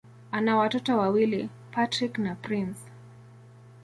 Ana watoto wawili: Patrick na Prince.